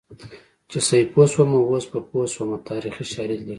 چې سیپو شومه اوس په پوه شومه تاریخي شالید لري